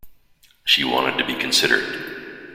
She wanted to be considered.